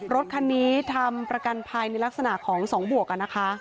รถคันนี้ทำประกันภัยในลักษณะของ๒บวกนะคะ